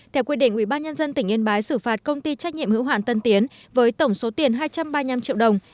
theo quyết định ủy ban nhân dân tỉnh yên bái xử phạt công ty trách nhiệm hữu hạn tân tiến với tổng số tiền hai trăm ba mươi năm triệu đồng